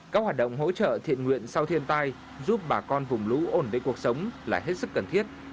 các hoạt động hỗ trợ thiện nguyện sau thiên tai giúp bà con vùng lũ ổn định cuộc sống là hết sức cần thiết